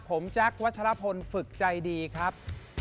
ผมแจ๊ควัชลพลฝึกใจดีครับ